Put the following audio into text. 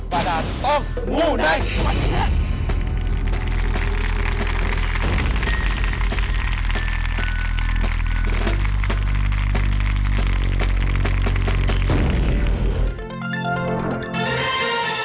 วาดาต้องมูไนท์